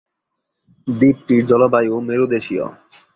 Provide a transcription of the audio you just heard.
দ্বীপটির জলবায়ু মেরুদেশীয়।